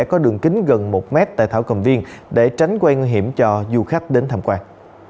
có đường kính gần một mét tại thảo cầm viên để tránh nguy hiểm cho du khách đến tham quan